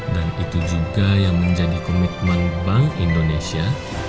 dan itu juga yang menjadi komitmen bank indonesia